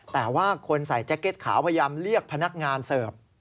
แต่ว่าคนใส่แจ็คเก็ตขาวพยายามเรียกพนักงานเสิร์ฟ